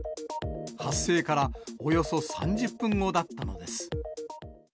発生からおよそ３０分後だったのです。